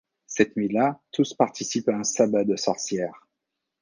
Cette nuit-là, tous participent à un sabbat de sorcières.